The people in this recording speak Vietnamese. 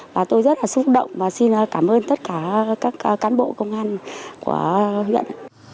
và tôi rất là xúc động và xin cảm ơn tất cả các cán bộ công an của huyện